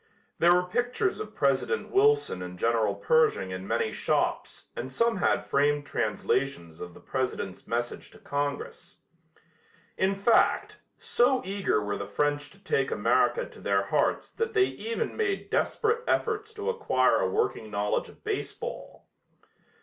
There were pictures of President Wilson and General Pershing in many shops and some had framed translations of the President's message to Congress. In fact, so eager were the French to take America to their hearts that they even made desperate efforts to acquire a working knowledge of baseball.